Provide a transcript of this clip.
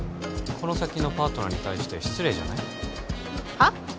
この先のパートナーに対して失礼じゃない？はっ？